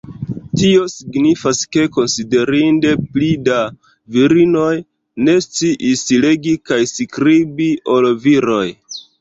Tio signifas ke konsiderinde pli da virinoj ne sciis legi kaj skribi ol viroj.